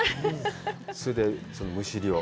それで、むしりを。